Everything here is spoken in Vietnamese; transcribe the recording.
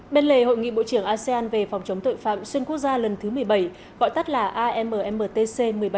bên lề hội nghị bộ trưởng asean về phòng chống tội phạm xuyên quốc gia lần thứ một mươi bảy gọi tắt là ammtc một mươi bảy